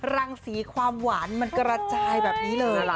รังสีความหวานมันกระจายแบบนี้เลย